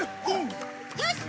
よし！